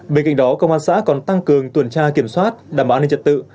bên cạnh đó công an xã còn tăng cường tuần tra kiểm soát đảm bảo an ninh trật tự